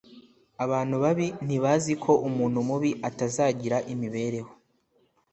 abantu babi ntibaziko umuntu mubi atazagira imibereho